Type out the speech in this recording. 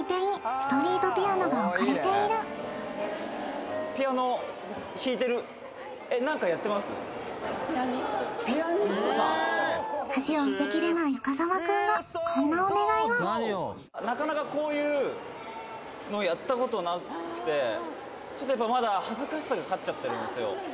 ストリートピアノが置かれているピアニストさん恥を捨てきれない深澤くんがこんなお願いをなかなかこういうのをやったことなくてちょっとやっぱまだ恥ずかしさが勝っちゃってるんですよ